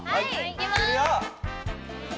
いきます！